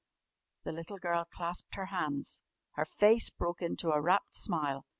The little girl clasped her hands. Her face broke into a rapt smile.